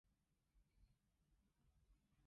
日本有邊間出名嘅温度酒店推介